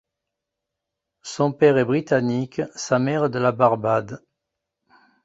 Son père est britannique, sa mère de la Barbade.